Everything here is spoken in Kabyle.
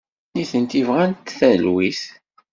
Nitenti bɣant talwit.